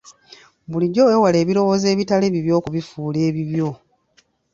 Bulijjo weewale ebirowoozo ebitali bibyo okubifuula ebibyo.